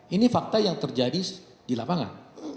ini fakta yang terjadi di lapangan